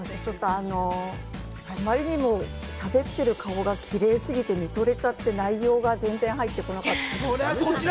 あまりにもしゃべってる顔がキレイすぎて見とれちゃって内容が全然入ってこなかった。